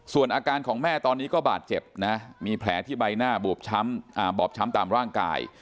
ส่วนอาการของแม่ตอนนี้ก็บาดเจ็บนะมีแผลที่ใบหน้าบวบอบช้ำตามร่างกาย